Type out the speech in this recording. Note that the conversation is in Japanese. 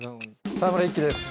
沢村一樹です